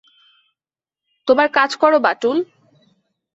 তোমার কাজ কর বাটুল।